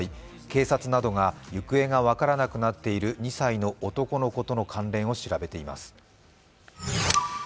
警察などが行方が分からなくなっている２歳の男の子との関連を調べています。